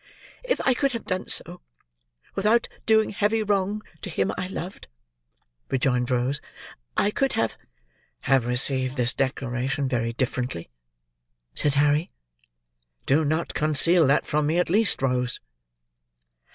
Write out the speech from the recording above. "If I could have done so, without doing heavy wrong to him I loved," rejoined Rose, "I could have—" "Have received this declaration very differently?" said Harry. "Do not conceal that from me, at least, Rose."